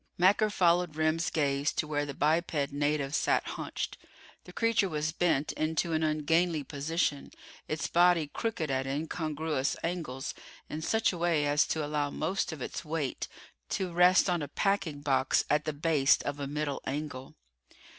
Macker followed Remm's gaze to where the biped native sat hunched. The creature was bent into an ungainly position, its body crooked at incongruous angles, in such a way as to allow most of its weight to rest on a packing box at the base of a middle angle.